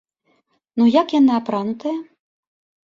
Ну як яна апранутая?